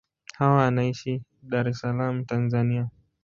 Hawa anaishi Dar es Salaam, Tanzania.